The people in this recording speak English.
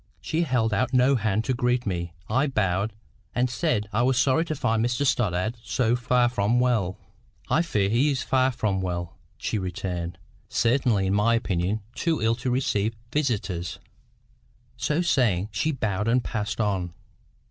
She held out no hand to greet me. I bowed, and said I was sorry to find Mr Stoddart so far from well. "I fear he is far from well," she returned; "certainly in my opinion too ill to receive visitors." So saying, she bowed and passed on.